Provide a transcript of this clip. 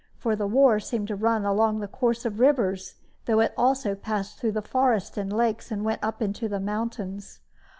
For the war seemed to run along the course of rivers, though it also passed through the forests and lakes, and went up into the mountains.